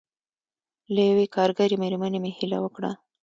له یوې کارګرې مېرمنې مې هیله وکړه.